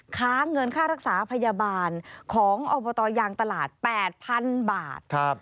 ค้างเงินค่ารักษาพยาบาลของอบตยางตลาด๘๐๐๐บาท